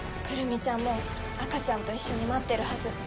来美ちゃんも赤ちゃんと一緒に待ってるはず。